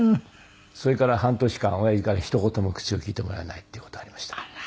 それから半年間親父からひと言も口を利いてもらえないっていう事ありましたね。